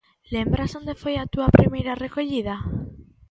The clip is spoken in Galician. Lembras onde foi a túa primeira recollida?